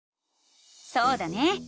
そうだね！